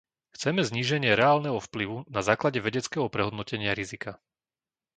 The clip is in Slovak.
Chceme zníženie reálneho vplyvu na základe vedeckého prehodnotenia rizika.